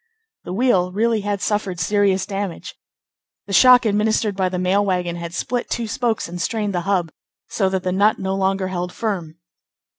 The wheel really had suffered serious damage. The shock administered by the mail wagon had split two spokes and strained the hub, so that the nut no longer held firm.